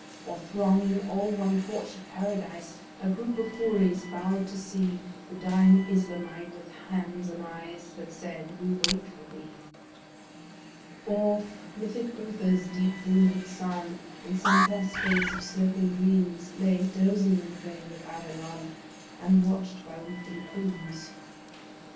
Or thronging all one porch of Paradise A group of Houris bow'd to see The dying Islamite, with hands and eyes That said, We wait for thee. Or mythic Uther's deeply wounded son In some fair space of sloping greens Lay, dozing in the vale of Avalon, And watch'd by weeping queens.